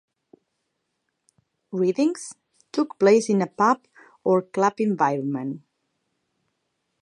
Readings took place in a pub or club environment.